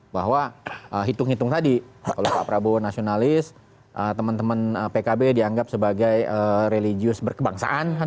bahwa hitung hitung tadi oleh pak prabowo nasionalis teman teman pkb dianggap sebagai religius berkebangsaan